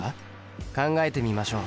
考えてみましょう。